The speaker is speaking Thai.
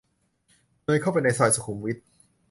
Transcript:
เดินเข้าไปในซอยแถวสุขุมวิท